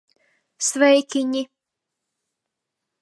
Sveikiņi!